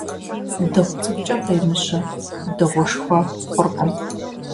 Дыгъу цӀыкӀукӀэ къемыжьэ дыгъушхуэ хъуркъым.